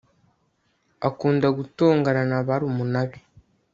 akunda gutongana na barumuna be